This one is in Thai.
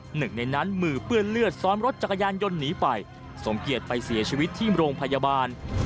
หนึ่งในนั้นมือเปื้อนเลือดซ้อนรถจักรยานยนต์หนีไปสมเกียจไปเสียชีวิตที่โรงพยาบาล